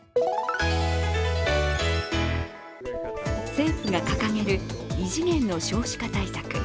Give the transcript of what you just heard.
政府が掲げる異次元の少子化対策。